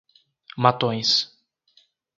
Matões